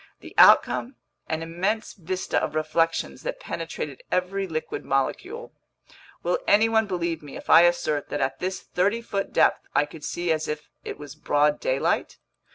The outcome: an immense vista of reflections that penetrated every liquid molecule. Will anyone believe me if I assert that at this thirty foot depth, I could see as if it was broad daylight?